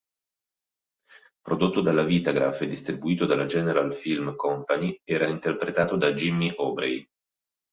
Prodotto dalla Vitagraph e distribuito dalla General Film Company, era interpretato da Jimmy Aubrey.